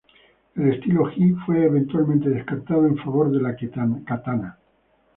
El estilo "hi" fue eventualmente descartado en favor de la "katana".